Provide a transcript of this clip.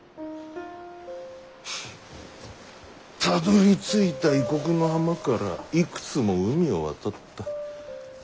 たどりついた異国の浜からいくつも海を渡った。